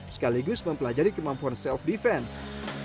sekaligus mempelajari kemampuan self defense